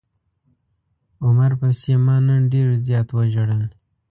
عمر پسې ما نن ډير زيات وژړل.